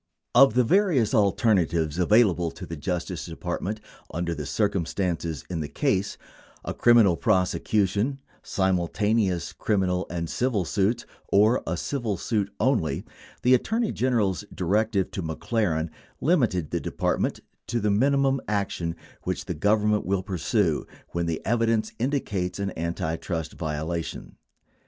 5 Of the various alternatives available to the Justice Department under the circumstances in the case — a criminal prosecution, simul taneous criminal and civil suits, or a civil suit, only 6 — the Attorney General's directive to McLaren limited the Department to the mini mum action which the Government will pursue when the evidence indi cates an antitrust violation.